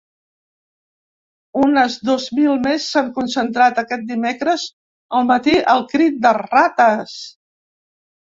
Unes dos mil més s’han concentrat aquest dimecres al matí al crit de “rates”.